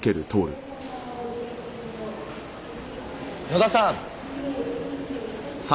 野田さん。